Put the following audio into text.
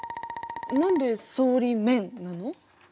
何で層理「面」なの？